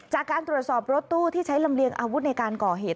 จากการตรวจสอบรถตู้ที่ใช้ลำเลียงอาวุธในการก่อเหตุ